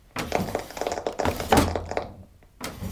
პოლიტექნიკუმის კედლებში მან განაგრძო საკუთარი კვლევები.